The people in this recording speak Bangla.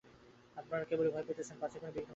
আমার কেবলই ভয় হইতেছে, পাছে কোনো বিঘ্ন ঘটে।